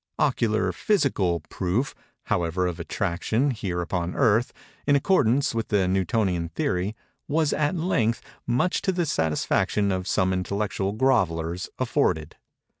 "Ocular, physical proof," however, of attraction, here upon Earth, in accordance with the Newtonian theory, was, at length, much to the satisfaction of some intellectual grovellers, afforded.